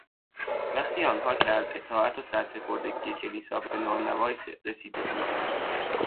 وقتی آنها که از اطاعت و سرسپردگی کلیسا به نان و نوایی رسیده بودند